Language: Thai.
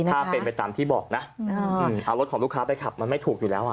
ถ้าเป็นไปตามที่บอกนะเอารถของลูกค้าไปขับมันไม่ถูกอยู่แล้ว